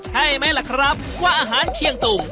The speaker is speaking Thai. ใช่ไหมล่ะครับว่าอาหารเชียงตุง